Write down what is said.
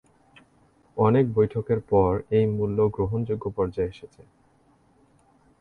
অনেক বৈঠকের পর এই মূল্য গ্রহণযোগ্য পর্যায়ে এসেছে।